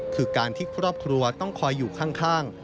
คือการที่ครอบครัวต้องคอยอยู่ข้าง